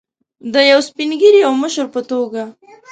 د یو سپین ږیري او مشر په توګه.